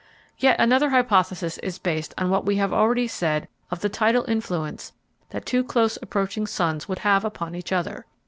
Yet another hypothesis is based on what we have already said of the tidal influence that two close approaching suns would have upon each other.